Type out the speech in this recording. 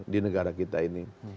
di negara kita ini